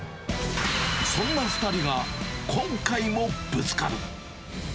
そんな２人が、今回もぶつかる。